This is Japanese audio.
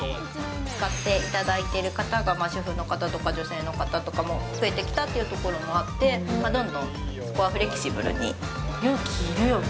使っていただいている方が主婦の方とか、女性の方とかも増えてきたっていうところもあって、勇気いるよね。